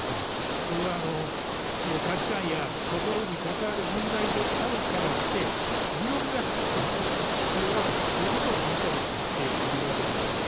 これは価値観や心に関わる問題であるからして、議論が必要だということを申し上げてきているわけであります。